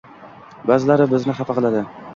Ba’zilari bizni hafa qiladi.